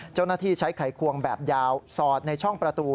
เจ้าหน้าที่ใช้ไขควงแบบยาวสอดในช่องประตู